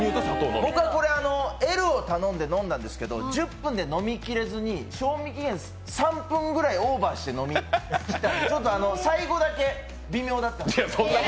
僕はこれ、Ｌを頼んで飲んだんですけど、１０分で飲みきれず、賞味期限３分くらいオーバーして飲んでちょっと最後だけ微妙だったんですけど。